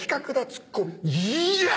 いや！